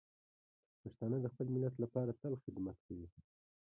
پښتانه د خپل ملت لپاره تل خدمت کوي.